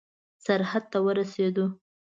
سرحد ته ورسېدو.